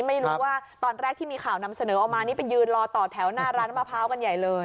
ไม่รู้ว่าตอนแรกที่มีข่าวนำเสนอออกมานี่ไปยืนรอต่อแถวหน้าร้านมะพร้าวกันใหญ่เลย